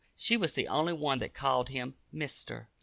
She was the only one that called him "Mister."